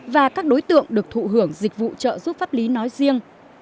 và các đối tượng được thụ hưởng dịch vụ trợ giúp pháp lý nói riêng